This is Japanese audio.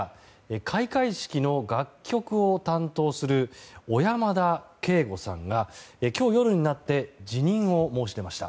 開会式の楽曲を担当する小山田圭吾さんが今日夜になって辞任を申し出ました。